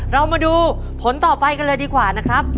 เรามาดูผลต่อไปกันเลยดีกว่านะครับ